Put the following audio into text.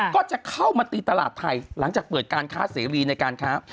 ก็จะเข้ามาตีตลาดไทยหลังจากเปิดการค้าเสรีในการค้า